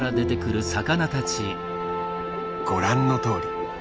ご覧のとおり。